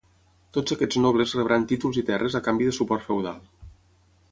Tots aquests nobles rebran títols i terres a canvi de suport feudal.